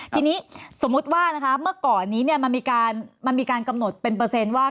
ทีนี้สมมุติว่านะคะเมื่อก่อนนี้มันมีการกำหนดเป็นเปอร์เซ็นต์ว่า